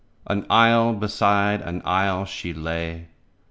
An isle beside an isle she lay.